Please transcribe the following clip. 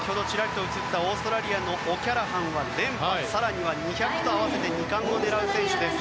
オーストラリアのオキャラハンは連覇更には２００と合わせて２冠を狙う選手です。